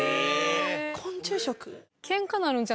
昆虫食？